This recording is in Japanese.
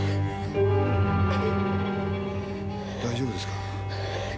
大丈夫ですか？